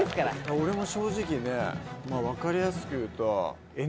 俺も正直ね分かりやすく言うと。